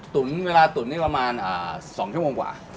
เวลาตุ๋นนี่ประมาณ๒ชั่วโมงกว่า